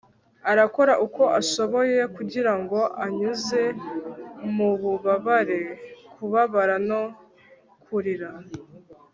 arakora uko ashoboye kugirango anyuze mububabare, kubabara no kurira